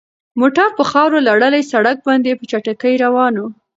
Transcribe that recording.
موټر په خاورو لړلي سړک باندې په چټکۍ روان و.